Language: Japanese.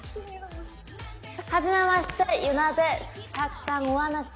はじめまして。